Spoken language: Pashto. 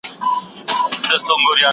حقوقي سلاکاران څه مشوري ورکوي؟